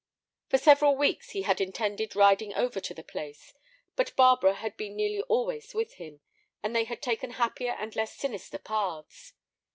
For several weeks he had intended riding over to the place, but Barbara had been nearly always with him, and they had taken happier and less sinister paths.